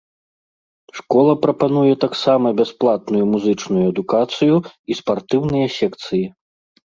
Школа прапануе таксама бясплатную музычную адукацыю і спартыўныя секцыі.